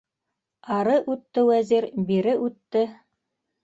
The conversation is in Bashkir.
Ары үтте Вәзир, бире үтте.